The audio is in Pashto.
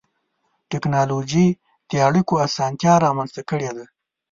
ټکنالوجي د اړیکو اسانتیا رامنځته کړې ده.